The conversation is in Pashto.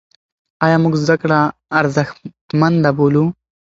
ایا موږ زده کړه ارزښتمنه بولو؟